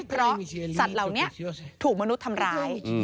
เพราะสัตว์เหล่านี้ถูกมนุษย์ทำร้าย